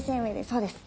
そうです。